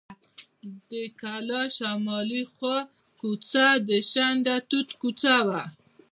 د کلا شمالي خوا کوڅه د شنډه توت کوڅه وه.